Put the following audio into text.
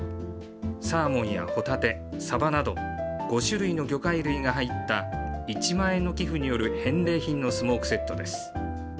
サーモンやホタテ、サバなど、５種類の魚介類が入った１万円の寄付による返礼品のスモークセットです。